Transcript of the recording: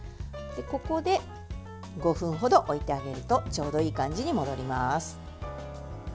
ここで５分程置いてあげるとちょうどいい感じに戻ります。